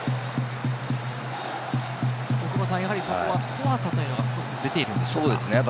そこは怖さというのが出ているんですか？